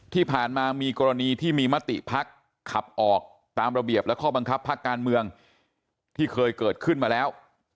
ที่ผ่านมามีกรณีที่มีมติภักดิ์ขับออกตามระเบียบและข้อบังคับพักการเมืองที่เคยเกิดขึ้นมาแล้ว